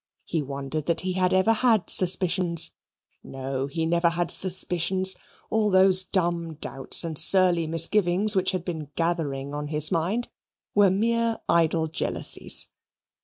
He wondered that he had ever had suspicions. No, he never had suspicions; all those dumb doubts and surly misgivings which had been gathering on his mind were mere idle jealousies.